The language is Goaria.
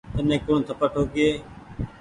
تني ڪوڻ ٿپڙ ٺوڪيئي ۔